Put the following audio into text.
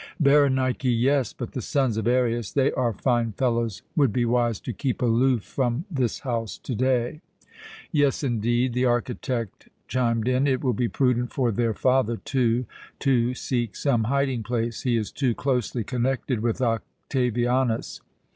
"Berenike, yes; but the sons of Arius they are fine fellows would be wise to keep aloof from this house to day." "Yes indeed!" the architect chimed in. "It will be prudent for their father, too, to seek some hiding place. He is too closely connected with Octavianus.